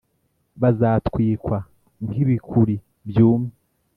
bazatwikwa nk’ibikūri byumye.